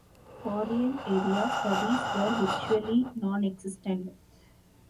Foreign area studies were virtually nonexistent.